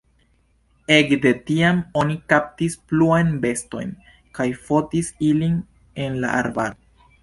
Ekde tiam oni kaptis pluajn bestojn kaj fotis ilin en la arbaro.